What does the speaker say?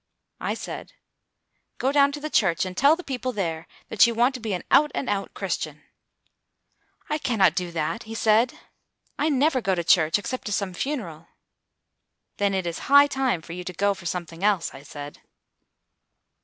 I said, "Go down to the church, and tell the people there that you want to be an out and out Christian." "I cannot do that," he said; "I never go to church except to some funeral." "Then it is high time for you to go for something else," I said.